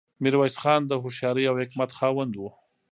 میرویس خان د هوښیارۍ او حکمت خاوند و.